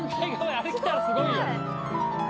あれ来たらすごいよ。